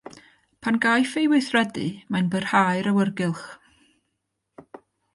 Pan gaiff ei weithredu mae'n byrhau'r awyrgylch.